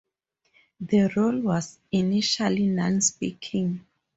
The role was, initially, non-speaking.